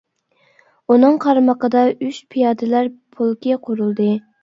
ئۇنىڭ قارمىقىدا ئۈچ پىيادىلەر پولكى قۇرۇلدى.